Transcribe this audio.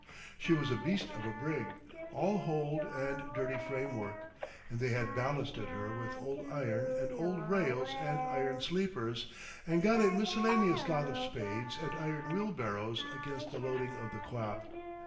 She was a beast of a brig, all hold and dirty framework, and they had ballasted her with old iron and old rails and iron sleepers, and got a miscellaneous lot of spades and iron wheelbarrows against the loading of the quap.